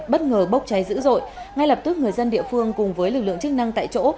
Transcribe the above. bất ngờ bốc cháy dữ dội ngay lập tức người dân địa phương cùng với lực lượng chức năng tại chỗ